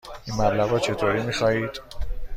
این مبلغ را چطوری می خواهید؟